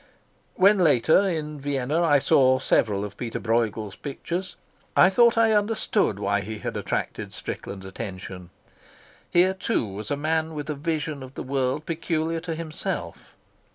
When later, in Vienna, I saw several of Peter Brueghel's pictures, I thought I understood why he had attracted Strickland's attention. Here, too, was a man with a vision of the world peculiar to himself.